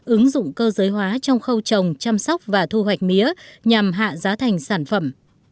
ứng dụng cơ giới hóa trong khâu trồng chăm sóc và thu hoạch mía nhằm hạ giá thành sản phẩm